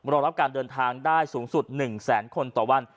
รอรับการเดินทางได้สูงสุด๑แสนคนต่อวัน